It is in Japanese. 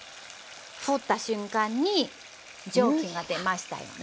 振った瞬間に蒸気が出ましたよね。